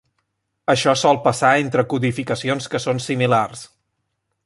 Això sol passar entre codificacions que són similars.